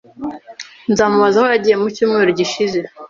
Nzamubaza aho yagiye ku cyumweru gishize.